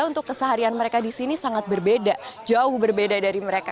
untuk keseharian mereka di sini sangat berbeda jauh berbeda dari mereka